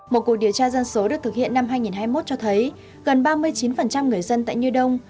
một cuộc điều tra dân số được thực hiện năm hai nghìn hai mươi một cho thấy gần ba mươi chín người dân tại new đông